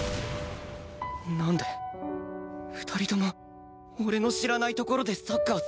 なんで２人とも俺の知らないところでサッカーするの？